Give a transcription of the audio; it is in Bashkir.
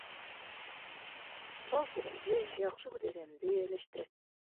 Бал себенде, яҡшы һүҙ әҙәмде эйәләштерә.